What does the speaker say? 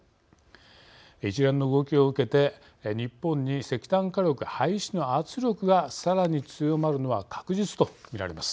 一連の動きを受けて日本に石炭火力廃止の圧力がさらに強まるのは確実とみられます。